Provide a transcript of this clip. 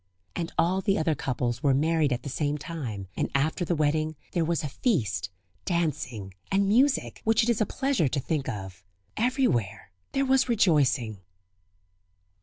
And all the other couples were married at the same time, and after the wedding there was a feast, dancing, and music, which it is a pleasure to think of. Everywhere there was rejoicing.